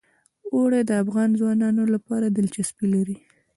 اوړي د افغان ځوانانو لپاره دلچسپي لري.